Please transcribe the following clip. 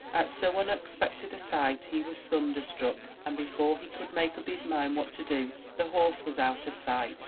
At so unex pected a sight he was thunderstruck, and before he could make up his mind what to do the horse was out of sight.